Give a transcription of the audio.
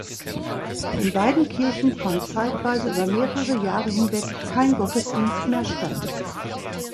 In beiden Kirchen fand zeitweise über mehrere Jahre hinweg kein Gottesdienst mehr statt.